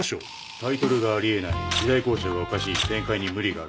「タイトルがあり得ない」「時代考証がおかしい」「展開に無理がある」